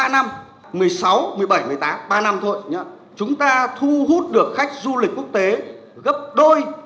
ba năm một mươi sáu một mươi bảy một mươi tám ba năm thôi chúng ta thu hút được khách du lịch quốc tế gấp đôi